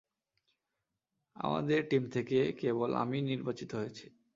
আমাদের টিম থেকে কেবল আমিই নির্বাচিত হয়েছি।